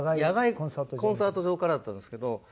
野外コンサート場からだったんですけど。